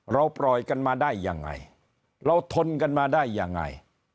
เราปล่อยกันมาได้ยังไงเราทนกันมาได้ยังไง